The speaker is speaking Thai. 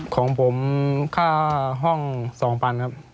ของผมค่าห้อง๒๐๐๐ครับ